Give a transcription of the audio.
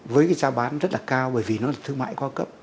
với giá bán rất là cao bởi vì nó là thương mại cao cấp